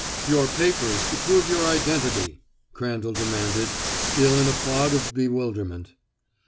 "Your papers to prove your identity!" Crandall demanded, still in a fog of bewilderment.